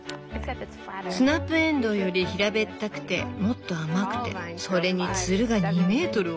スナップエンドウより平べったくてもっと甘くてそれにツルが２メートルを超えるって。